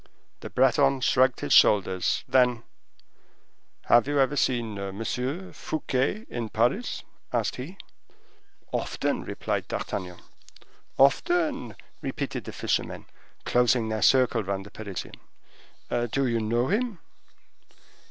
The Breton shrugged his shoulders; then: "Have you ever seen M. Fouquet in Paris?" asked he. "Often," replied D'Artagnan. "Often!" repeated the fishermen, closing their circle round the Parisian. "Do you know him?"